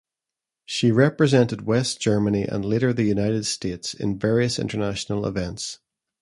She represented West Germany and later the United States in various international events.